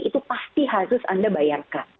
itu pasti harus anda bayarkan